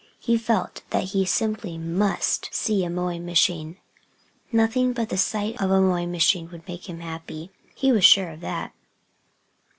He felt that he simply must see a mowing machine. Nothing but the sight of a mowing machine would make him happy. He was sure of that.